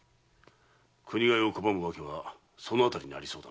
国替を拒むわけはそのあたりにありそうだな。